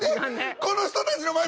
この人たちの前で。